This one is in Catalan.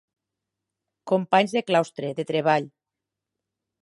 Companys de claustre, de treball.